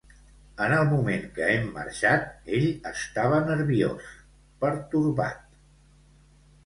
En el moment que hem marxat, ell estava nerviós, pertorbat.